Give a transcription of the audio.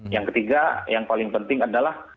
yang ketiga yang paling penting adalah